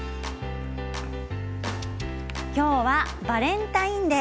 今日はバレンタインデー。